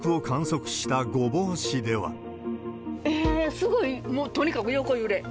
すごい、もうとにかく横揺れ。